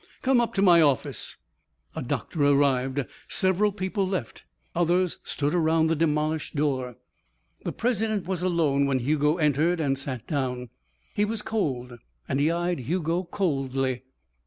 "Come up to my office." A doctor arrived. Several people left. Others stood around the demolished door. The president was alone when Hugo entered and sat down. He was cold and he eyed Hugo coldly.